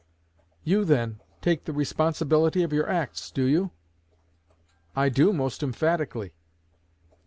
'You, then, take the responsibility of your acts, do you?' 'I do, most emphatically.'